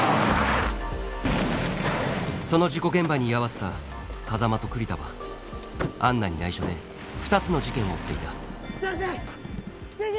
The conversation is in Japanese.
その事故現場に居合わせた風真と栗田はアンナに内緒で２つの事件を追っていた先生！